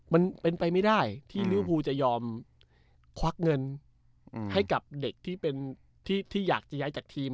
มันเป็นไปไม่ได้ที่ลิวภูจะยอมควักเงินให้กับเด็กที่เป็นที่อยากจะย้ายจากทีม